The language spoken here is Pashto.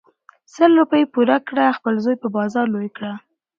سل روپی پور کړه خپل زوی په بازار لوی کړه .